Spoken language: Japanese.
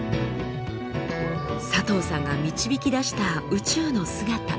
佐藤さんが導き出した宇宙の姿。